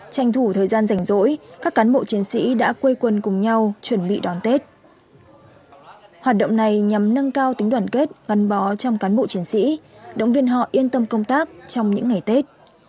tranh thủ thời gian rảnh rỗi các cán bộ chiến sĩ đã quay quần cùng nhau chuẩn bị đón tết hoạt động này nhằm nâng cao tính đoàn kết gắn bó trong cán bộ chiến sĩ động viên họ yên tâm công tác trong những ngày tết